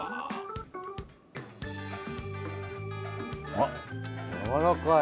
あっやわらかい！